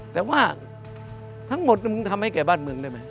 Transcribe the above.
แต่ว่าทั้งหมดมึงทำให้แก่บ้านเมืองได้ไหม